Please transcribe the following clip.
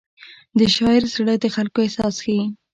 د شاعر زړه د خلکو احساس ښيي.